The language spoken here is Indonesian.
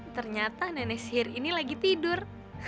ternyata nenek sihir ini lagi tidur